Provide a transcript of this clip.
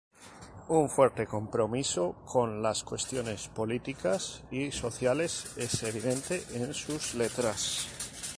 Un fuerte compromiso con las cuestiones políticas y sociales es evidente en sus letras.